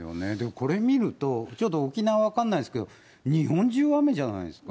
これ見ると、ちょっと沖縄分からないんですけど、日本中雨じゃないですか。